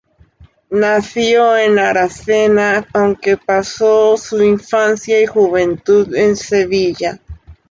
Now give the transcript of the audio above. Nació en Aracena, aunque pasó su infancia y juventud en Sevilla.